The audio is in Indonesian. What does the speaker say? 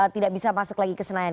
tidak bisa masuk lagi ke senayan